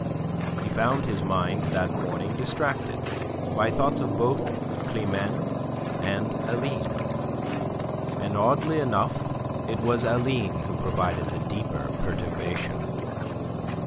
He found his mind that morning distracted by thoughts of both Climene and Aline. And oddly enough it was Aline who provided the deeper perturbation.